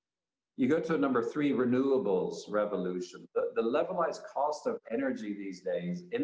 anda pergi ke nomor tiga revolusi keterangkahan kekosongan energi yang diperlukan di saat ini